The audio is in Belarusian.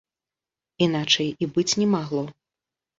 Іначай і быць не магло.